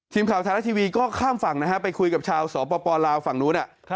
ทีมข่าวทาเลทีวีก็ข้ามฝั่งไปคุยกับชาวสหปปลาวฝั่งโน้น